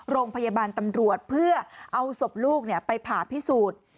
โรงพยาบาลตำรวจเพื่อเอาศพลูกไปผ่าพิสูจน์